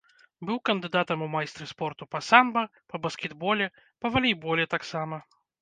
Быў кандыдатам у майстры спорту па самба, па баскетболе, па валейболе таксама.